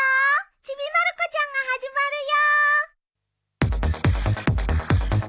『ちびまる子ちゃん』が始まるよ。